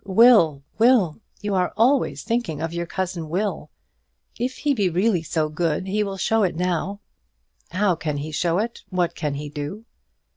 "Will, Will! You are always thinking of your cousin Will. If he be really so good he will show it now." "How can he show it? What can he do?"